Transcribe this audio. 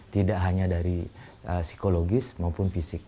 tidak hanya dari psikologis maupun fisik